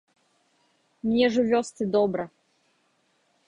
Мне ж у вёсцы добра.